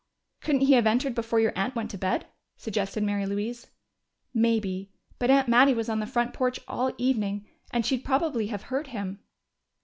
"Couldn't he have entered before your aunt went to bed?" suggested Mary Louise. "Maybe. But Aunt Mattie was on the front porch all evening, and she'd probably have heard him."